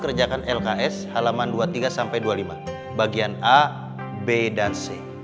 kerjakan lks halaman dua puluh tiga sampai dua puluh lima bagian a b dan c